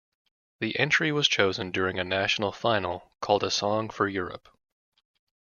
The entry was chosen during a national final called A Song for Europe.